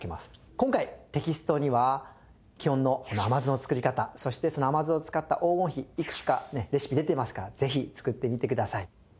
今回テキストには基本のこの甘酢の作り方そしてその甘酢を使った黄金比いくつかねレシピ出てますからぜひ作ってみてください。